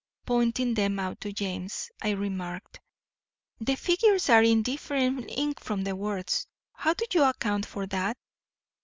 Pointing them out to James, I remarked, 'The figures are in different ink from the words. How do you account for that?'